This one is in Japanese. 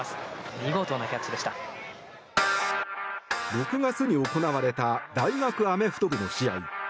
６月に行われた大学アメフト部の試合。